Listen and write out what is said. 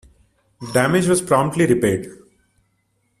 The damage was promptly repaired.